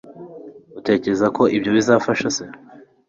utekereza ko ibyo bizafasha se